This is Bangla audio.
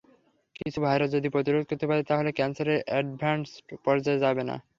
কিছু ভাইরাস যদি প্রতিরোধ করতে পারি, তাহলে ক্যানসার অ্যাডভান্সড পর্যায়ে যাবে না।